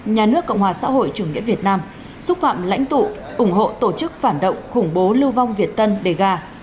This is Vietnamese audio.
nhà nước cộng hòa xã hội chủ nghĩa việt nam xúc phạm lãnh tụ ủng hộ tổ chức phản động khủng bố lưu vong việt tân đề gà